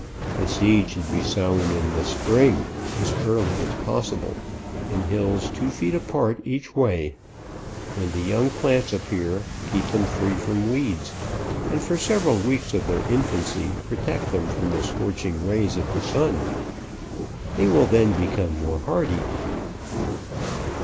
The seed should be sown in the spring as early as possible, in hills two feet apart each way. When the young plants appear, keep them free from weeds, and for several weeks of their infancy, protect them from the scorching rays of the sun ; they will then become more hardy.